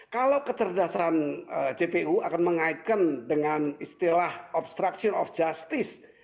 kalau kecerdasan jpu akan mengaitkan dengan istilah obstruction of justice